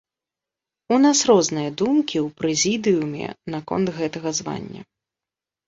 У нас розныя думкі ў прэзідыуме наконт гэтага звання.